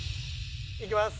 いきます。